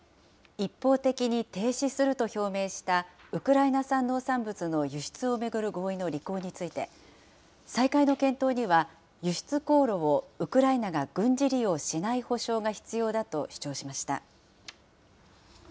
一方的に停止すると表明した、ウクライナ産農産物の輸出を巡る合意の履行について、再開の検討には輸出航路をウクライナが軍事利用しない保証が必要だと主張しました。